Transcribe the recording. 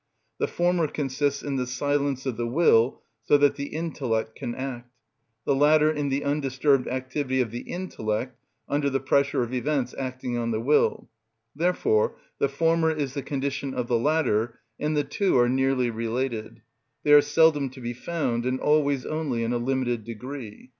The former consists in the silence of the will so that the intellect can act; the latter in the undisturbed activity of the intellect under the pressure of events acting on the will; therefore the former is the condition of the latter, and the two are nearly related; they are seldom to be found, and always only in a limited degree.